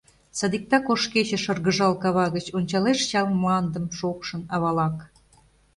Садиктак ош кече, шыргыжал кава гыч, Ончалеш чал мландым шокшын, авалак.